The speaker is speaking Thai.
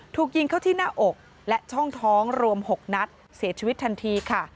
ถูกยิงเข้าที่หน้าอกและช่องท้องรวม๖นัดเสียชีวิตทันทีค่ะ